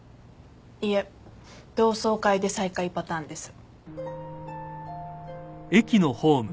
いいえ同窓会で再会パターンです。